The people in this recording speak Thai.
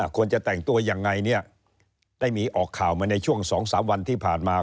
ควรจะแต่งตัวยังไงเนี่ยได้มีออกข่าวมาในช่วง๒๓วันที่ผ่านมา